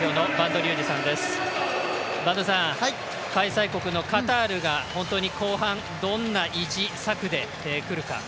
播戸さん、開催国のカタールが本当に公判どんな意地策でくるか。